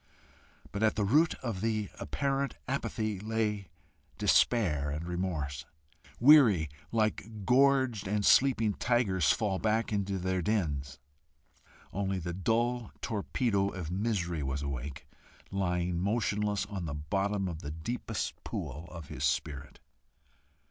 But at the root of the apparent apathy lay despair and remorse, weary, like gorged and sleeping tigers far back in their dens. Only the dull torpedo of misery was awake, lying motionless on the bottom of the deepest pool of his spirit.